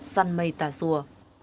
săn mây tà sùa